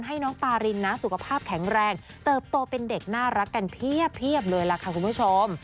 ให้น้องปารินนะสุขภาพแข็งแรงเติบโตเป็นเด็กน่ารักกันเพียบเลยล่ะค่ะคุณผู้ชม